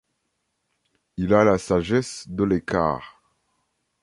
Il a la sagesse de l'écart.